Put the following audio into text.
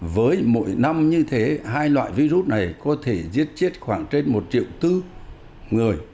với mỗi năm như thế hai loại virus này có thể giết chết khoảng trên một triệu bốn người